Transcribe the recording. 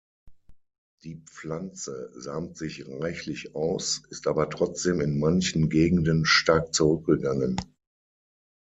Die Pflanze samt sich reichlich aus, ist aber trotzdem in manchen Gegenden stark zurückgegangen.